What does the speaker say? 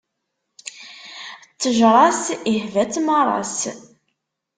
Ttejṛa-s ihba-tt maras.